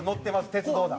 鉄道だ。